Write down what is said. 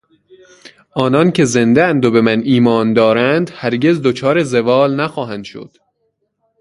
آنان که زندهاند و به من ایمان دارند هرگز دچار زوال نخواهند شد.